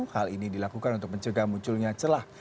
hal ini dilakukan untuk mencegah munculnya celah